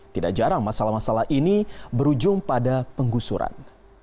tidak jarang masalah masalah ini berujung pada penggusuran